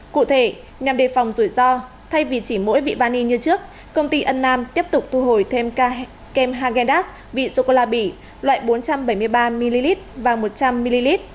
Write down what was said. cụ thể nhằm đề phòng rủi ro thay vì chỉ mỗi vị vani như trước công ty ân nam tiếp tục thu hồi thêm kem hagendaz vị chocolate bỉ loại bốn trăm bảy mươi ba ml và một trăm linh ml